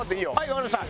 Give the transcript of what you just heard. わかりました。